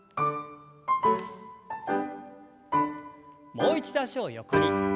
もう一度脚を横に。